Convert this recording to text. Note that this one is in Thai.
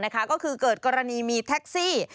ก็คือเกิดกรณีมีแท็กซี่